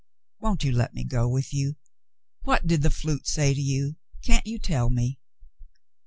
"Won't you let me go with you? W'hat did the flute say to you ? Can't you tell me